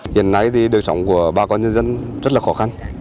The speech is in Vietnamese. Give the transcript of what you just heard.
hiện nay thì đời sống của bà con nhân dân rất là khó khăn